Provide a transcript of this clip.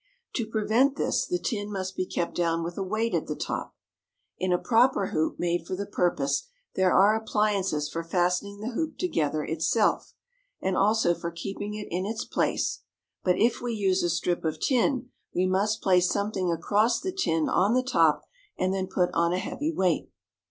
To prevent this the tin must be kept down with a weight at the top. In a proper hoop made for the purpose there are appliances for fastening the hoop together itself and also for keeping it in its place, but if we use a strip of tin we must place something across the tin on the top and then put on a heavy weight.